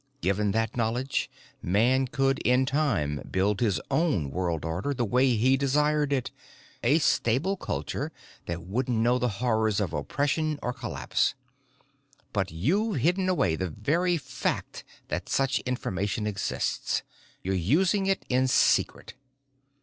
Given that knowledge man could in time build his own world order the way he desired it, a stable culture that wouldn't know the horrors of oppression or collapse. But you've hidden away the very fact that such information exists. You're using it in secret."